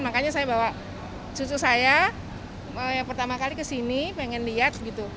makanya saya bawa cucu saya yang pertama kali kesini pengen lihat gitu